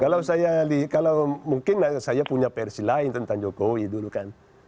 kalau saya kalau mungkin saya punya versi lain tentang jokowi dulu kan